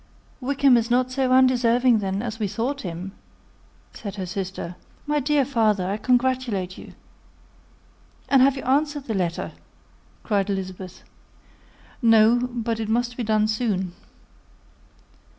"Wickham is not so undeserving, then, as we have thought him," said her sister. "My dear father, I congratulate you." "And have you answered the letter?" said Elizabeth. "No; but it must be done soon."